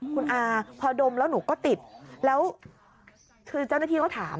คุณอาพอดมแล้วหนูก็ติดแล้วคือเจ้าหน้าที่ก็ถาม